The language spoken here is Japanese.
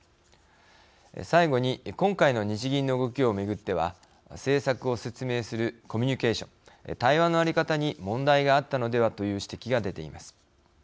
最後に今回の日銀の動きを巡っては政策を説明するコミュニケーション対話のあり方に問題があったのではという指摘が出ています。